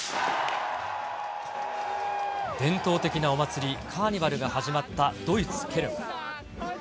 伝統的なお祭り、カーニバルが始まったドイツ・ケルン。